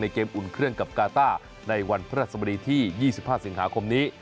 เกมอุ่นเครื่องกับกาต้าในวันพระราชสมดีที่๒๕สิงหาคมนี้